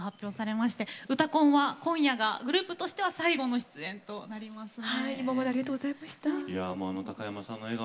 ですので今夜の「うたコン」がグループとしては最後の出演となりますね。